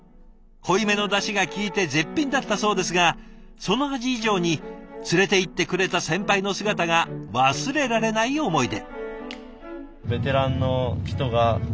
濃いめのだしが効いて絶品だったそうですがその味以上に連れて行ってくれた先輩の姿が忘れられない思い出。